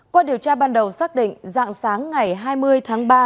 qua điều tra ban đầu xác định dạng sáng ngày hai mươi tháng ba